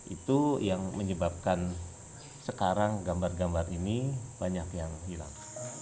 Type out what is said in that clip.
itu yang menyebabkan sekarang gambar gambar ini banyak yang hilang